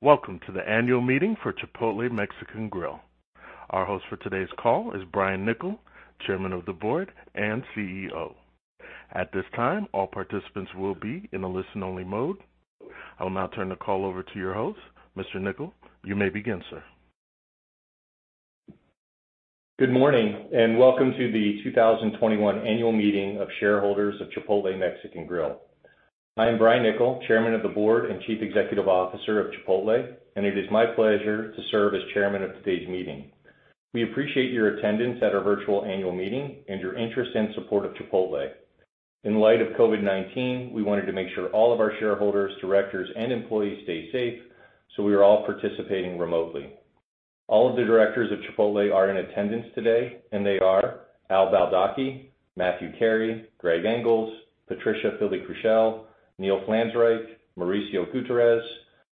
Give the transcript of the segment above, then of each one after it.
Welcome to the annual meeting for Chipotle Mexican Grill. Our host for today's call is Brian Niccol, Chairman of the Board and CEO. At this time, all participants will be in a listen-only mode. I will now turn the call over to your host. Mr. Niccol, you may begin, sir. Good morning, welcome to the 2021 annual meeting of shareholders of Chipotle Mexican Grill. I am Brian Niccol, Chairman of the Board and Chief Executive Officer of Chipotle, and it is my pleasure to serve as chairman of today's meeting. We appreciate your attendance at our virtual annual meeting and your interest and support of Chipotle. In light of COVID-19, we wanted to make sure all of our shareholders, directors, and employees stay safe, so we are all participating remotely. All of the directors of Chipotle are in attendance today, and they are Al Baldocchi, Matthew Carey, Gregg Engles, Patricia Fili-Krushel, Neil Flanzraich, Mauricio Gutierrez,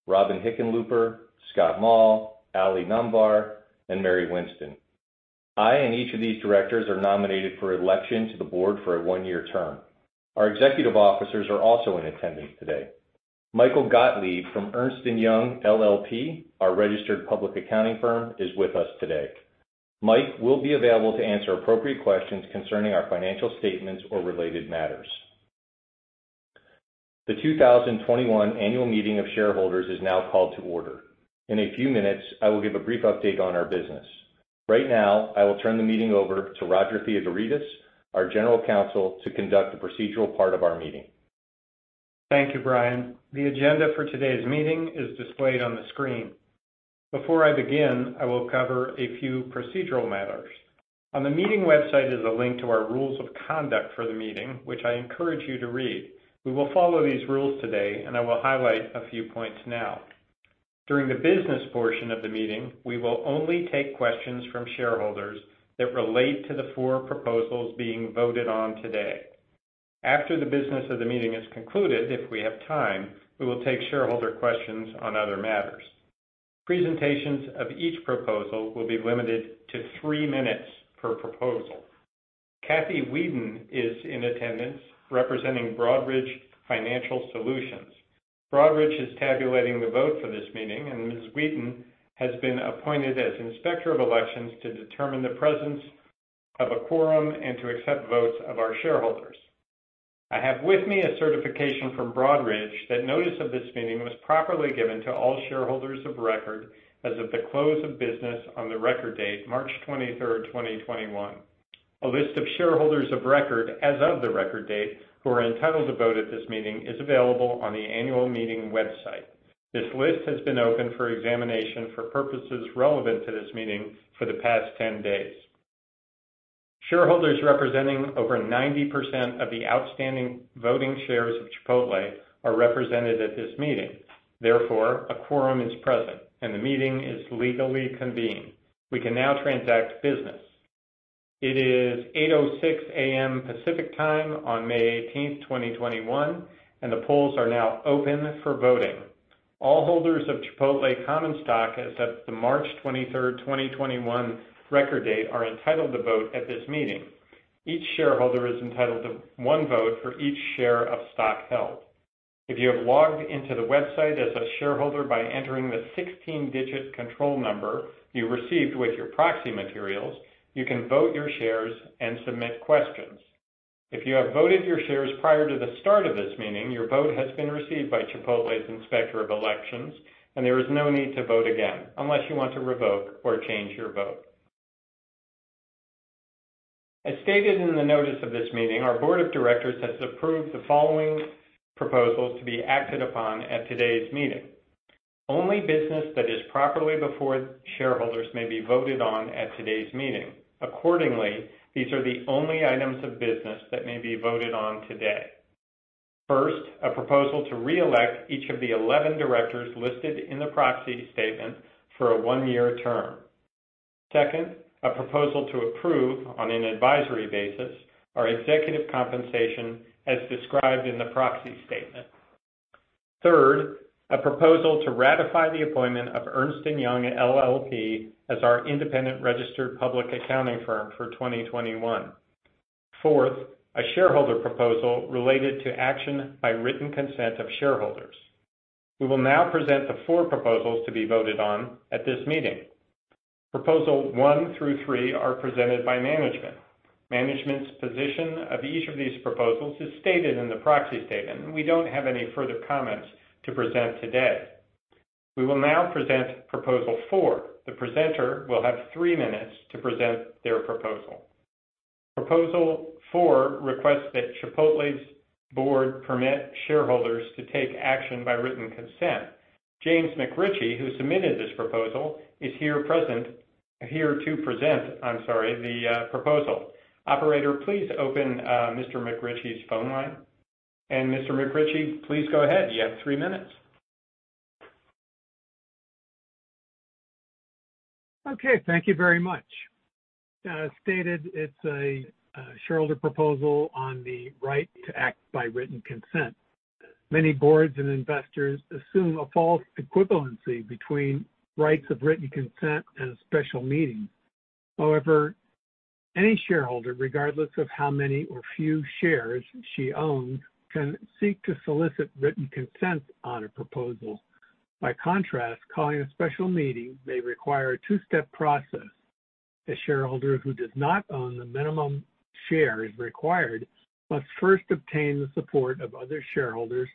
Robin Hickenlooper, Scott Maw, Ali Namvar, and Mary Winston. I and each of these directors are nominated for election to the board for a one-year term. Our executive officers are also in attendance today. Michael Gottlieb from Ernst & Young LLP, our registered public accounting firm, is with us today. Mike will be available to answer appropriate questions concerning our financial statements or related matters. The 2021 annual meeting of shareholders is now called to order. In a few minutes, I will give a brief update on our business. Right now, I will turn the meeting over to Roger Theodoredis, our general counsel, to conduct the procedural part of our meeting. Thank you, Brian. The agenda for today's meeting is displayed on the screen. Before I begin, I will cover a few procedural matters. On the meeting website is a link to our rules of conduct for the meeting, which I encourage you to read. We will follow these rules today, and I will highlight a few points now. During the business portion of the meeting, we will only take questions from shareholders that relate to the four proposals being voted on today. After the business of the meeting is concluded, if we have time, we will take shareholder questions on other matters. Presentations of each proposal will be limited to three minutes per proposal. Cathy Weeden is in attendance representing Broadridge Financial Solutions. Broadridge is tabulating the vote for this meeting, and Ms. Weeden has been appointed as Inspector of Elections to determine the presence of a quorum and to accept votes of our shareholders. I have with me a certification from Broadridge that notice of this meeting was properly given to all shareholders of record as of the close of business on the record date, March 23rd, 2021. A list of shareholders of record as of the record date who are entitled to vote at this meeting is available on the annual meeting website. This list has been open for examination for purposes relevant to this meeting for the past 10 days. Shareholders representing over 90% of the outstanding voting shares of Chipotle are represented at this meeting. Therefore, a quorum is present and the meeting is legally convened. We can now transact business. It is 8:06 A.M. Pacific Time on May 18th, 2021, and the polls are now open for voting. All holders of Chipotle common stock as of the March 23rd, 2021 record date are entitled to vote at this meeting. Each shareholder is entitled to one vote for each share of stock held. If you have logged into the website as a shareholder by entering the 16-digit control number you received with your proxy materials, you can vote your shares and submit questions. If you have voted your shares prior to the start of this meeting, your vote has been received by Chipotle's Inspector of Elections, and there is no need to vote again unless you want to revoke or change your vote. As stated in the notice of this meeting, our board of directors has approved the following proposals to be acted upon at today's meeting. Only business that is properly before shareholders may be voted on at today's meeting. Accordingly, these are the only items of business that may be voted on today. First, a proposal to reelect each of the 11 directors listed in the proxy statement for a one-year term. Second, a proposal to approve, on an advisory basis, our executive compensation as described in the proxy statement. Third, a proposal to ratify the appointment of Ernst & Young LLP as our independent registered public accounting firm for 2021. Fourth, a shareholder proposal related to action by written consent of shareholders. We will now present the four proposals to be voted on at this meeting. Proposal one through three are presented by management. Management's position of each of these proposals is stated in the proxy statement, we don't have any further comments to present today. We will now present proposal four. The presenter will have three minutes to present their proposal. Proposal four requests that Chipotle's board permit shareholders to take action by written consent. James McRitchie, who submitted this proposal, is here to present the proposal. Operator, please open Mr. McRitchie's phone line. Mr. McRitchie, please go ahead. You have three minutes. Okay, thank you very much. As stated, it's a shareholder proposal on the right to act by written consent. Many boards and investors assume a false equivalency between rights of written consent and a special meeting. However Any shareholder, regardless of how many or few shares she owns, can seek to solicit written consent on a proposal. By contrast, calling a special meeting may require a two-step process. A shareholder who does not own the minimum shares required must first obtain the support of other shareholders.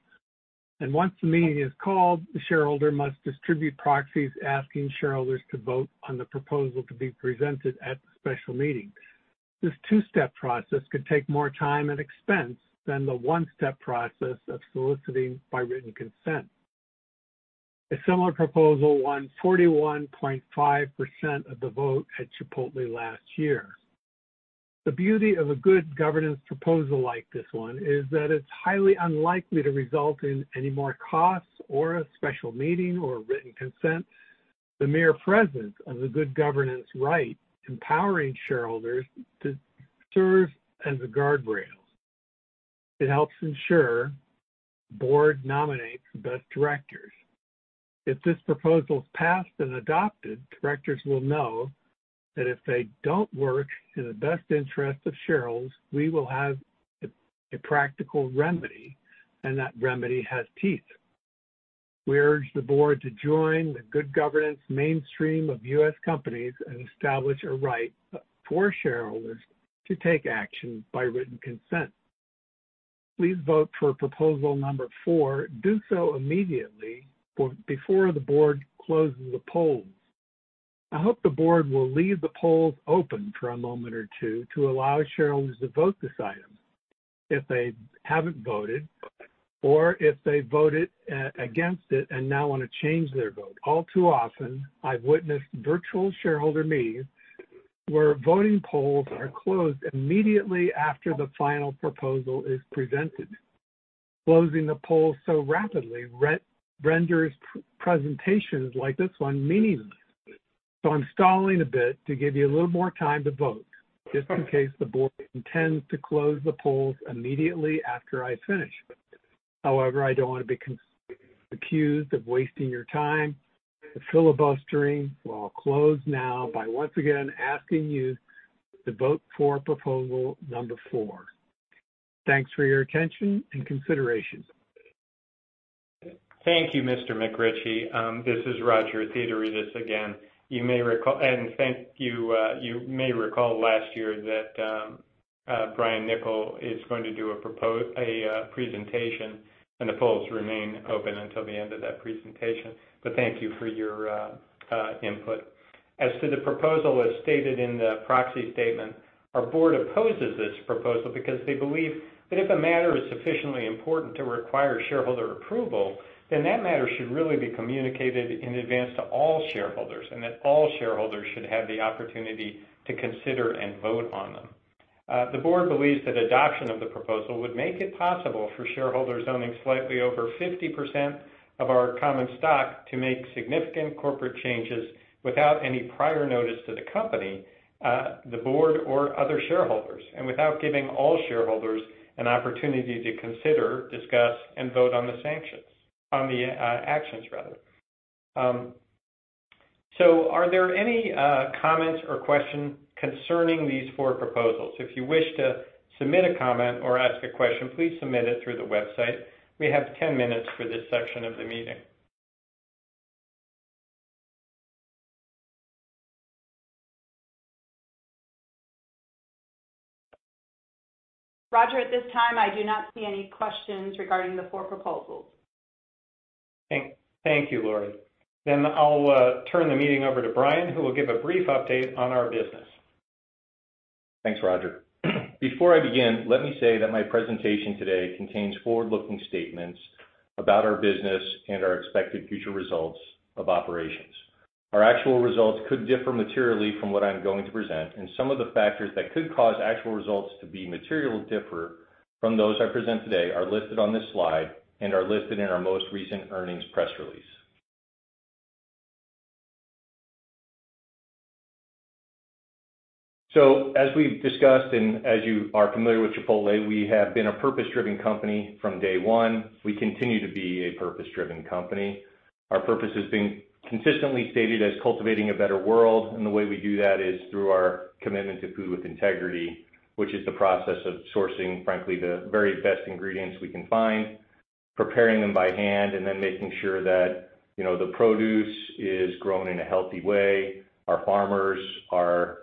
Once the meeting is called, the shareholder must distribute proxies asking shareholders to vote on the proposal to be presented at the special meeting. This two-step process could take more time and expense than the one-step process of soliciting by written consent. A similar proposal won 41.5% of the vote at Chipotle last year. The beauty of a good governance proposal like this one is that it's highly unlikely to result in any more costs or a special meeting or written consent. The mere presence of the good governance right empowering shareholders to serve as a guardrail. It helps ensure the board nominates the best directors. If this proposal is passed and adopted, directors will know that if they don't work in the best interest of shareholders, we will have a practical remedy, and that remedy has teeth. We urge the board to join the good governance mainstream of U.S. companies and establish a right for shareholders to take action by written consent. Please vote for proposal number four. Do so immediately before the board closes the polls. I hope the board will leave the polls open for a moment or two to allow shareholders to vote this item if they haven't voted or if they voted against it and now want to change their vote. All too often, I've witnessed virtual shareholder meetings where voting polls are closed immediately after the final proposal is presented. Closing the polls so rapidly renders presentations like this one meaningless. I'm stalling a bit to give you a little more time to vote just in case the board intends to close the polls immediately after I finish. However, I don't want to be accused of wasting your time with filibustering. I'll close now by once again asking you to vote for proposal number four. Thanks for your attention and consideration. Thank you, Mr. McRitchie. This is Roger Theodoredis again. You may recall last year that Brian Niccol is going to do a presentation, and the polls remain open until the end of that presentation. Thank you for your input. As to the proposal as stated in the proxy statement, our board opposes this proposal because they believe that if a matter is sufficiently important to require shareholder approval, then that matter should really be communicated in advance to all shareholders and that all shareholders should have the opportunity to consider and vote on them. The board believes that adoption of the proposal would make it possible for shareholders owning slightly over 50% of our common stock to make significant corporate changes without any prior notice to the company, the board, or other shareholders, and without giving all shareholders an opportunity to consider, discuss, and vote on the actions. Are there any comments or questions concerning these four proposals? If you wish to submit a comment or ask a question, please submit it through the website. We have 10 minutes for this section of the meeting. Roger, at this time, I do not see any questions regarding the four proposals. Thank you, Laurie. I'll turn the meeting over to Brian, who will give a brief update on our business. Thanks, Roger. Before I begin, let me say that my presentation today contains forward-looking statements about our business and our expected future results of operations. Our actual results could differ materially from what I'm going to present, and some of the factors that could cause actual results to be materially different from those I present today are listed on this slide and are listed in our most recent earnings press release. As we've discussed and as you are familiar with Chipotle, we have been a purpose-driven company from day one. We continue to be a purpose-driven company. Our purpose has been consistently stated as Cultivating a Better World, and the way we do that is through our commitment to Food with Integrity, which is the process of sourcing, frankly, the very best ingredients we can find, preparing them by hand, and then making sure that the produce is grown in a healthy way. Our farmers are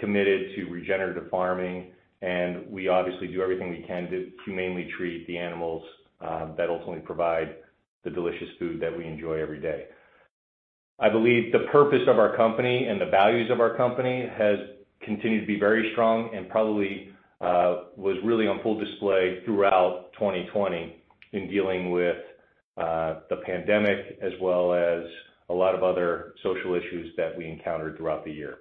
committed to regenerative farming, and we obviously do everything we can to humanely treat the animals that ultimately provide the delicious food that we enjoy every day. I believe the purpose of our company and the values of our company has continued to be very strong and probably was really on full display throughout 2020 in dealing with the pandemic as well as a lot of other social issues that we encountered throughout the year.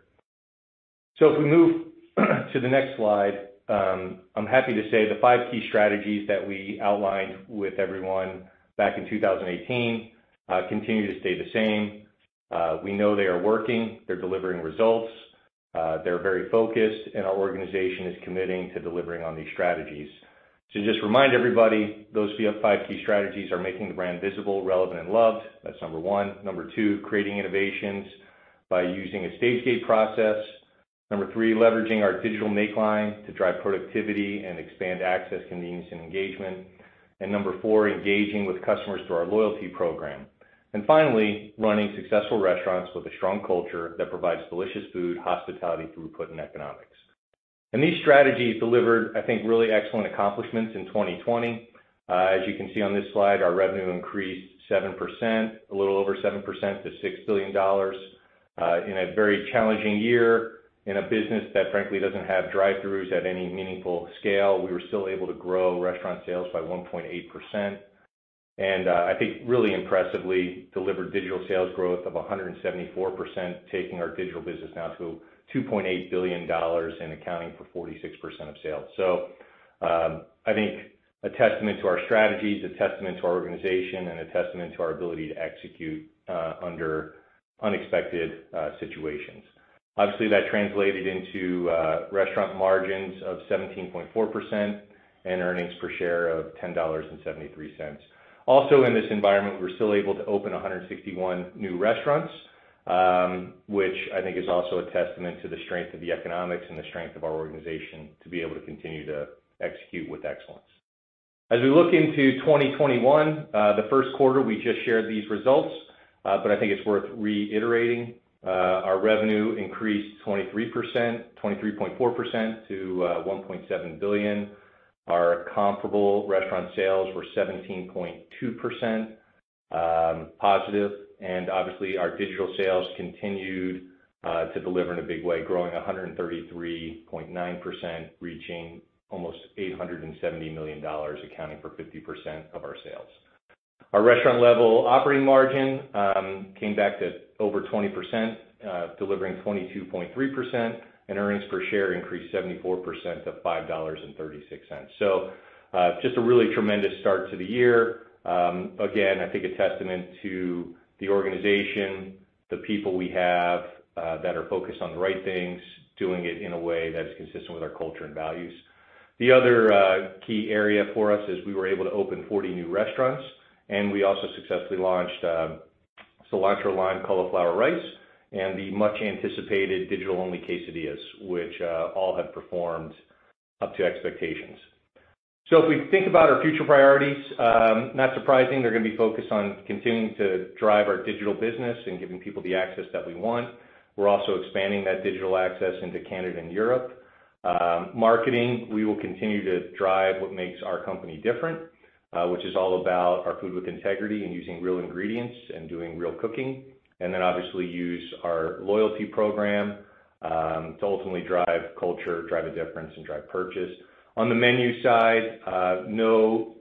If we move to the next slide, I'm happy to say the five key strategies that we outlined with everyone back in 2018 continue to stay the same. We know they are working, they're delivering results, they're very focused, and our organization is committing to delivering on these strategies. To just remind everybody, those five key strategies are making the brand visible, relevant, and loved. That's number one. Number two, creating innovations by using a stage-gate process. Number three, leveraging our digital make line to drive productivity and expand access, convenience, and engagement. Number four, engaging with customers through our loyalty program. Finally, running successful restaurants with a strong culture that provides delicious food, hospitality, throughput, and economics. These strategies delivered, I think, really excellent accomplishments in 2020. As you can see on this slide, our revenue increased 7%, a little over 7% to $6 billion, in a very challenging year. In a business that frankly doesn't have drive-throughs at any meaningful scale, we were still able to grow restaurant sales by 1.8%. I think really impressively, delivered digital sales growth of 174%, taking our digital business now to $2.8 billion and accounting for 46% of sales. I think a testament to our strategies, a testament to our organization, and a testament to our ability to execute under unexpected situations. Obviously, that translated into restaurant margins of 17.4% and earnings per share of $10.73. Also in this environment, we're still able to open 161 new restaurants, which I think is also a testament to the strength of the economics and the strength of our organization to be able to continue to execute with excellence. As we look into 2021, the first quarter, we just shared these results, but I think it's worth reiterating. Our revenue increased 23.4% to $1.7 billion. Our comparable restaurant sales were 17.2%+. Obviously, our digital sales continued to deliver in a big way, growing 133.9%, reaching almost $870 million, accounting for 50% of our sales. Our restaurant level operating margin came back to over 20%, delivering 22.3%, and earnings per share increased 74% to $5.36. Just a really tremendous start to the year. Again, I think a testament to the organization, the people we have that are focused on the right things, doing it in a way that is consistent with our culture and values. The other key area for us is we were able to open 40 new restaurants, and we also successfully launched Cilantro-Lime Cauliflower Rice and the much anticipated digital-only Quesadilla, which all have performed up to expectations. If we think about our future priorities, not surprising, they're going to be focused on continuing to drive our digital business and giving people the access that we want. We're also expanding that digital access into Canada and Europe. Marketing, we will continue to drive what makes our company different, which is all about our Food with Integrity and using real ingredients and doing real cooking. Obviously use our loyalty program to ultimately drive culture, drive a difference, and drive purchase. On the menu side, no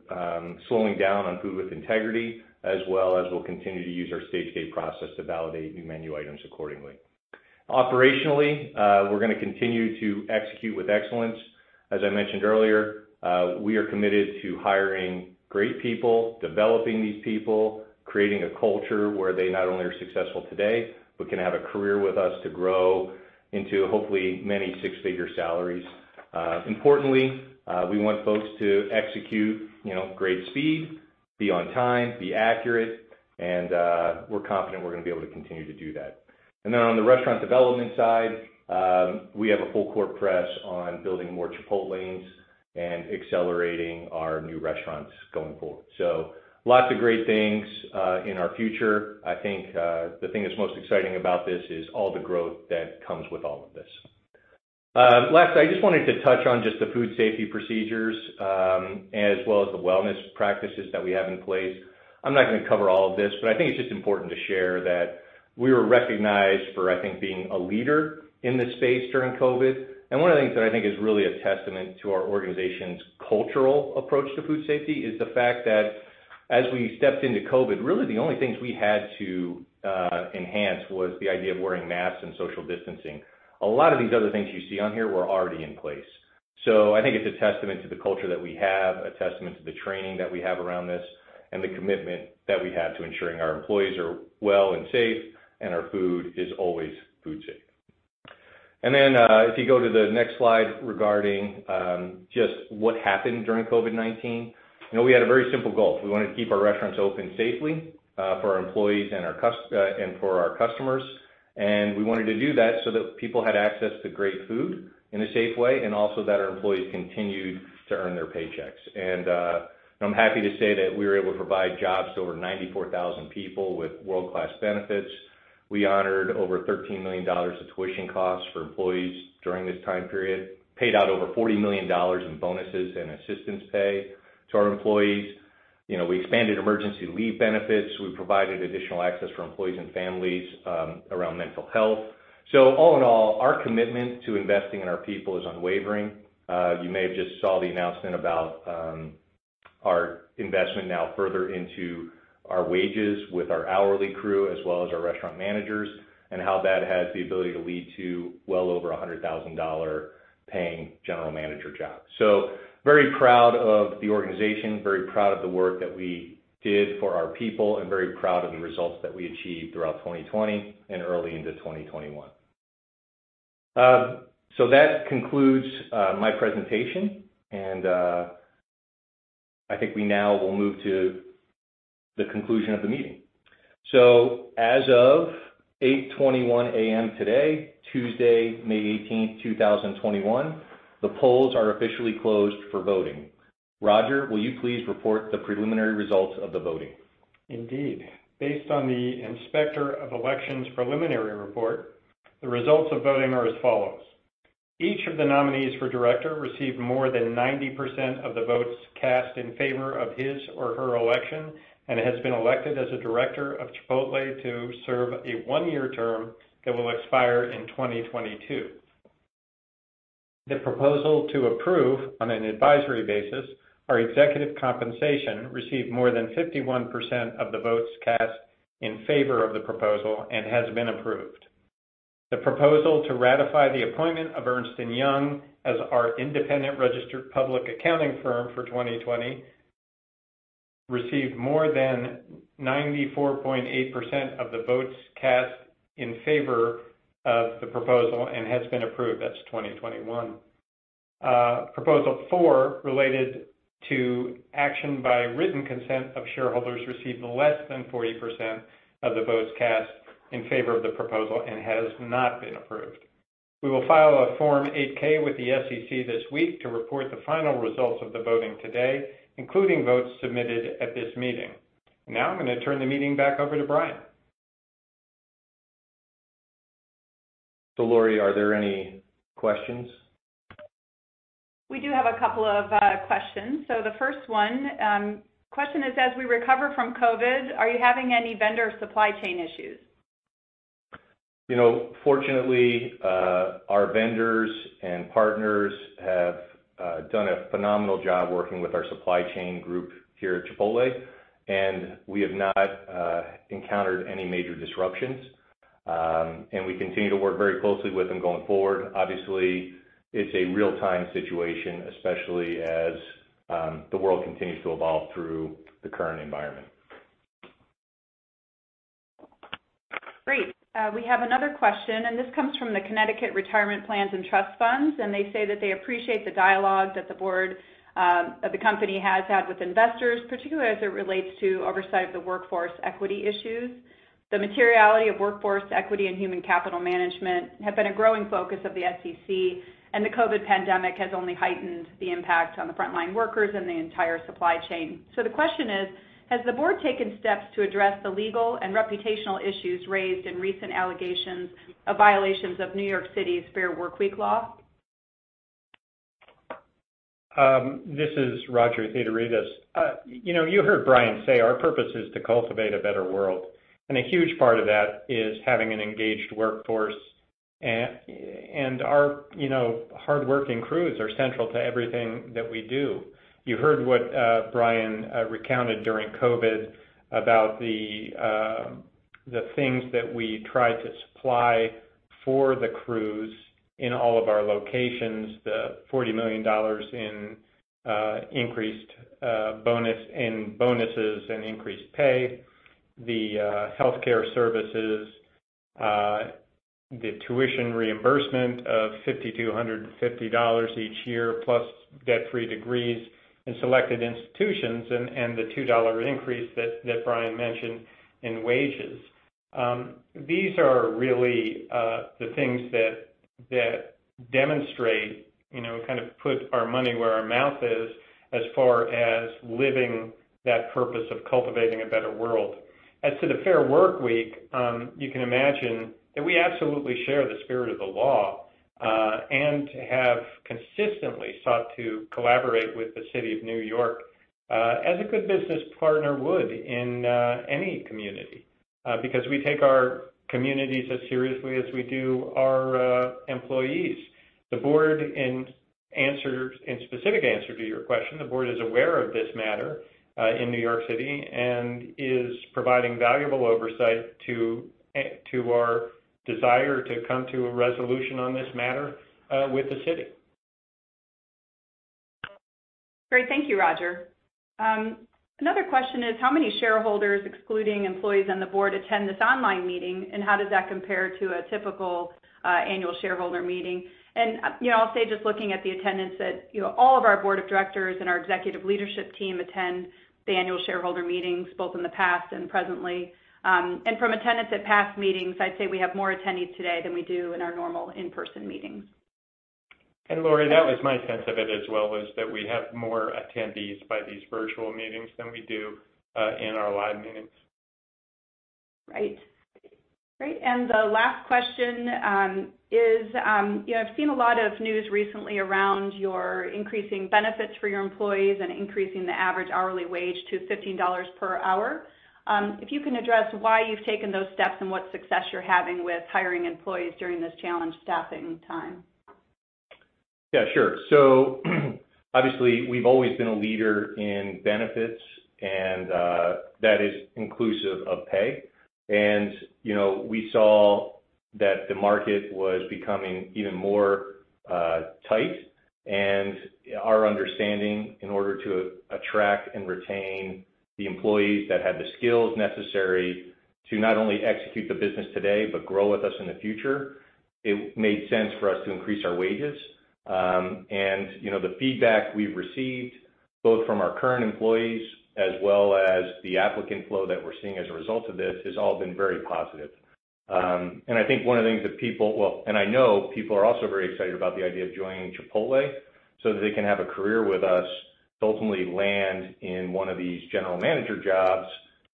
slowing down on Food with Integrity, as well as we'll continue to use our stage-gate process to validate new menu items accordingly. Operationally, we're going to continue to execute with excellence. As I mentioned earlier, we are committed to hiring great people, developing these people, creating a culture where they not only are successful today, but can have a career with us to grow into hopefully many six-figure salaries. Importantly, we want folks to execute great speed, be on time, be accurate, and we're confident we're going to be able to continue to do that. On the restaurant development side, we have a full-court press on building more Chipotlanes and accelerating our new restaurants going forward. Lots of great things in our future. I think the thing that's most exciting about this is all the growth that comes with all of this. Last, I just wanted to touch on just the food safety procedures, as well as the wellness practices that we have in place. I'm not going to cover all of this, but I think it's just important to share that we were recognized for, I think, being a leader in this space during COVID. One of the things that I think is really a testament to our organization's cultural approach to food safety is the fact that as we stepped into COVID, really the only things we had to enhance was the idea of wearing masks and social distancing. A lot of these other things you see on here were already in place. I think it's a testament to the culture that we have, a testament to the training that we have around this, and the commitment that we have to ensuring our employees are well and safe, and our food is always food safe. If you go to the next slide regarding just what happened during COVID-19. We had a very simple goal. We wanted to keep our restaurants open safely for our employees and for our customers, and we wanted to do that so that people had access to great food in a safe way and also that our employees continued to earn their paychecks. I'm happy to say that we were able to provide jobs to over 94,000 people with world-class benefits. We honored over $13 million of tuition costs for employees during this time period. Paid out over $40 million in bonuses and assistance pay to our employees. We expanded emergency leave benefits. We provided additional access for employees and families around mental health. All in all, our commitment to investing in our people is unwavering. You may have just saw the announcement about our investment now further into our wages with our hourly crew as well as our restaurant managers, and how that has the ability to lead to well over $100,000 paying general manager jobs. Very proud of the organization, very proud of the work that we did for our people, and very proud of the results that we achieved throughout 2020 and early into 2021. That concludes my presentation, and I think we now will move to the conclusion of the meeting. As of 8:21 A.M. today, Tuesday, May 18th, 2021, the polls are officially closed for voting. Roger, will you please report the preliminary results of the voting? Indeed. Based on the Inspector of Elections preliminary report, the results of voting are as follows: Each of the nominees for director received more than 90% of the votes cast in favor of his or her election, and has been elected as a director of Chipotle to serve a one-year term that will expire in 2022. The proposal to approve on an advisory basis our executive compensation received more than 51% of the votes cast in favor of the proposal and has been approved. The proposal to ratify the appointment of Ernst & Young as our independent registered public accounting firm for 2020 received more than 94.8% of the votes cast in favor of the proposal and has been approved. That's 2021. Proposal four, related to action by written consent of shareholders, received less than 40% of the votes cast in favor of the proposal and has not been approved. We will file a Form 8-K with the SEC this week to report the final results of the voting today, including votes submitted at this meeting. Now I'm going to turn the meeting back over to Brian. Laurie, are there any questions? We do have a couple of questions. The first one, question is, as we recover from COVID, are you having any vendor supply chain issues? Fortunately, our vendors and partners have done a phenomenal job working with our supply chain group here at Chipotle, and we have not encountered any major disruptions. We continue to work very closely with them going forward. Obviously, it's a real-time situation, especially as the world continues to evolve through the current environment. Great. We have another question, and this comes from the Connecticut Retirement Plans and Trust Funds, and they say that they appreciate the dialogue that the company has had with investors, particularly as it relates to oversight of the workforce equity issues. The materiality of workforce equity and human capital management have been a growing focus of the SEC, and the COVID pandemic has only heightened the impact on the frontline workers and the entire supply chain. The question is: Has the board taken steps to address the legal and reputational issues raised in recent allegations of violations of New York City's Fair Workweek Law? This is Roger Theodoredis. You heard Brian say our purpose is to cultivate a better world, and a huge part of that is having an engaged workforce. Our hardworking crews are central to everything that we do. You heard what Brian recounted during COVID about the things that we tried to supply for the crews in all of our locations, the $40 million in bonuses and increased pay, the healthcare services, the tuition reimbursement of $5,250 each year, plus debt-free degrees in selected institutions, and the $2 increase that Brian mentioned in wages. These are really the things that demonstrate, kind of put our money where our mouth is as far as living that purpose of cultivating a better world. As to the Fair Workweek, you can imagine that we absolutely share the spirit of the law, and have consistently sought to collaborate with the city of New York as a good business partner would in any community, because we take our communities as seriously as we do our employees. In specific answer to your question, the board is aware of this matter in New York City and is providing valuable oversight to our desire to come to a resolution on this matter with the city. Great. Thank you, Roger. Another question is how many shareholders, excluding employees on the board, attend this online meeting, and how does that compare to a typical annual shareholder meeting? I'll say just looking at the attendance that all of our board of directors and our executive leadership team attend the annual shareholder meetings, both in the past and presently. From attendance at past meetings, I'd say we have more attendees today than we do in our normal in-person meetings. Laurie, that was my sense of it as well, was that we have more attendees by these virtual meetings than we do in our live meetings. Right. Great, the last question is: I've seen a lot of news recently around your increasing benefits for your employees and increasing the average hourly wage to $15 per hour. If you can address why you've taken those steps and what success you're having with hiring employees during this challenged staffing time. Yeah, sure. Obviously, we've always been a leader in benefits, and that is inclusive of pay. We saw that the market was becoming even more tight and our understanding, in order to attract and retain the employees that had the skills necessary to not only execute the business today, but grow with us in the future, it made sense for us to increase our wages. The feedback we've received, both from our current employees as well as the applicant flow that we're seeing as a result of this, has all been very positive. I know people are also very excited about the idea of joining Chipotle, so that they can have a career with us to ultimately land in one of these general manager jobs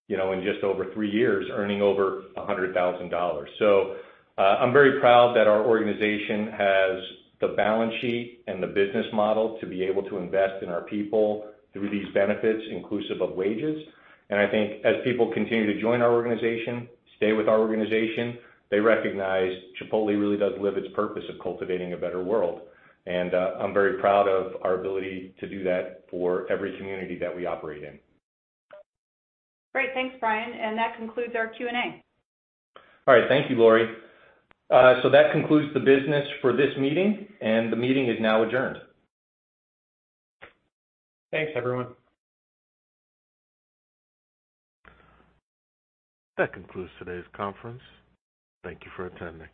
in just over three years, earning over $100,000. I'm very proud that our organization has the balance sheet and the business model to be able to invest in our people through these benefits, inclusive of wages. I think as people continue to join our organization, stay with our organization, they recognize Chipotle really does live its purpose of Cultivating a Better World. I'm very proud of our ability to do that for every community that we operate in. Great. Thanks, Brian. That concludes our Q&A. All right. Thank you, Laurie. That concludes the business for this meeting, and the meeting is now adjourned. Thanks, everyone. That concludes today's conference. Thank you for attending.